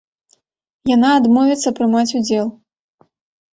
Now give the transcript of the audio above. Яна адмовіцца прымаць удзел.